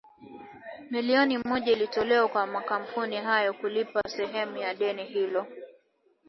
milioni moja ilitolewa kwa makampuni hayo kulipa sehemu ya deni hio